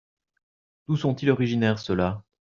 D'où sont-ils originaire ceux-là ?